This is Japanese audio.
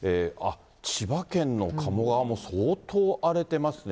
千葉県の鴨川も相当荒れてますね。